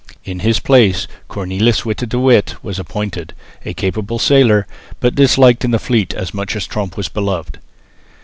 In his place Cornelisz Witte de With was appointed, a capable sailor, but disliked in the fleet as much as Tromp was beloved.